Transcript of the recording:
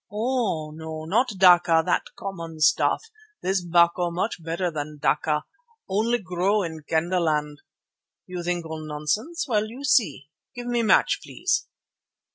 "Oh! no, not dakka, that common stuff; this 'bacco much better than dakka, only grow in Kendah land. You think all nonsense? Well, you see. Give me match please."